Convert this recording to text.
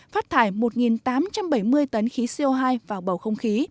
phát thải một tám trăm bảy mươi tấn